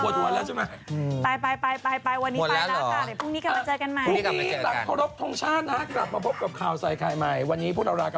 ก็ใช่ไงเพราะพี่ก็มีพี่หนุ่มเป็นเพื่อนแล้วดังนั้นพี่ไม่ต้องแถลงค่ะ